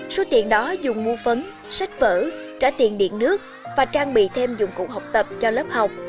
số tiền đó dùng mua phấn sách vở trả tiền điện nước và trang bị thêm dụng cụ học tập cho lớp học